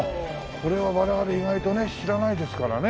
これは我々意外とね知らないですからね。